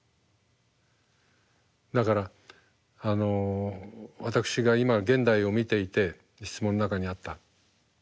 だからあの私が今現代を見ていて質問の中にあった。